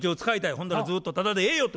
「ほんならずっとタダでええよ」と。